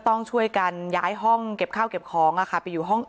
ต้องช่วยกันย้ายห้องเก็บข้าวเก็บของไปอยู่ห้อง